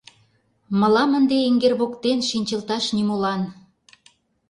Мылам ынде эҥер воктене шинчылташ нимолан.